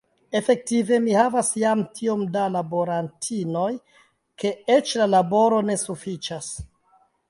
Efektive mi havas jam tiom da laborantinoj, ke eĉ la laboro ne sufiĉas.